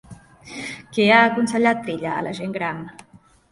Què ha aconsellat Trilla a la gent gran?